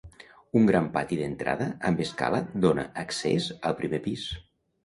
Un gran pati d'entrada amb escala dóna accés al primer pis.